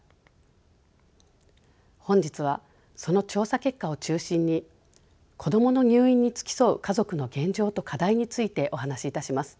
本日はその調査結果を中心に子どもの入院に付き添う家族の現状と課題についてお話しいたします。